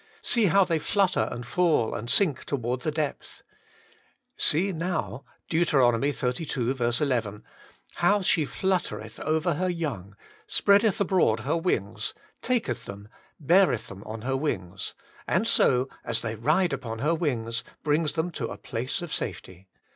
See how they flutter and fall and sink toward the depth. See now (Deut. xxxii. 11) *how she fluttereth over her young, spreadeth abroad her wings, taketh them, beareth them on her wings,' and so, as they ride upon her wings, brings them to a place of safety.